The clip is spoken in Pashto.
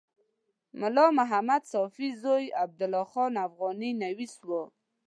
ملا محمد ساپي زوی عبدالله خان افغاني نویس و.